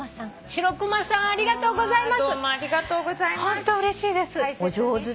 しろくまさんありがとうございます！